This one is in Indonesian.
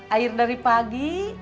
air dari pagi